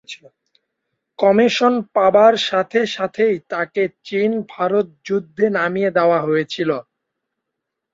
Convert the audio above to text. Commission পাবার সাথে সাথেই তাকে চীন-ভারত যুদ্ধে নামিয়ে দেওয়া হয়েছিলো।